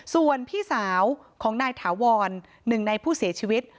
ส่วนพี่สาวของนายถาวรหนึ่งในผู้เสียชีวิต